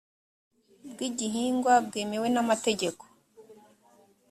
bw igihingwa bwemewe n amategeko